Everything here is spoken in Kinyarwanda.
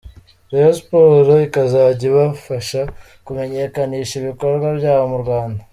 Rayon Sport ikazajya ibafasha kumenyekanisha ibikorwa byabo mu Rwanda.